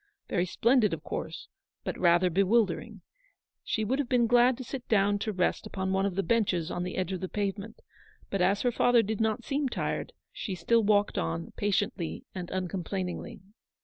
Very splendid, of course, but rather bewildering. She would have been glad to sit down to rest upon one of the benches on the edge of the pavement ; but, as her father did not seem tired, she still walked on, patiently and uncom plainingly.